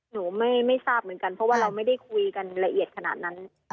หนูไม่ทราบเหมือนกันเพราะว่าเราไม่ได้คุยกันละเอียดขนาดนั้น